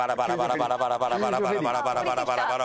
バラバラバラバラバラバラバラバラ。